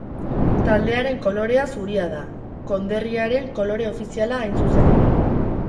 Taldearen kolorea zuria da, konderriaren kolore ofiziala hain zuzen ere.